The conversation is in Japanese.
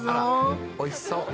おいしそう。